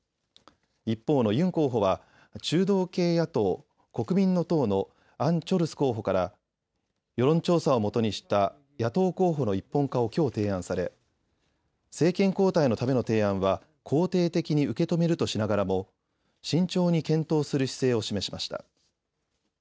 一方のユン候補は中道系野党、国民の党のアン・チョルス候補から世論調査をもとにした野党候補の一本化をきょう提案され政権交代のための提案は肯定的に受け止めるとしながらも慎重に検討する姿勢を示しました。